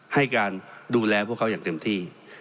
ให้การดูแลพวกเขาอย่างเต็มที่